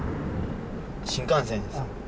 新幹線です。